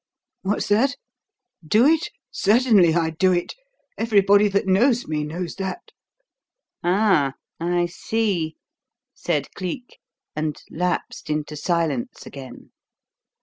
What's that? Do it? Certainly, I'd do it! Everybody that knows me knows that." "Ah, I see!" said Cleek, and lapsed into silence again.